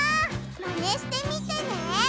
まねしてみてね！